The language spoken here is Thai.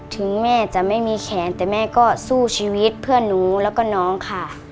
ถึงแม่จะไม่มีแขนแต่แม่ก็สู้ชีวิตเพื่อนหนูแล้วก็น้องค่ะ